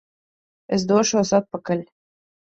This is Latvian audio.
Es došos atpakaļ!